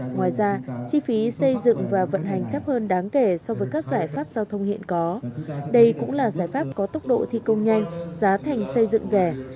ngoài ra chi phí xây dựng và vận hành thấp hơn đáng kể so với các giải pháp giao thông hiện có đây cũng là giải pháp có tốc độ thi công nhanh giá thành xây dựng rẻ